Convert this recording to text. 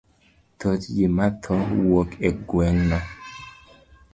Thoth ji ma tho wuok e gweng' no.